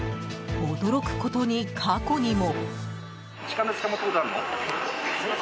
驚くことに過去にも。